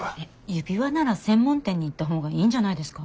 指輪なら専門店に行った方がいいんじゃないですか？